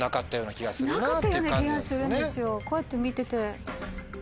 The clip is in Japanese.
こうやって見てて。